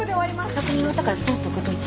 確認終わったからスキャンして送っておいて。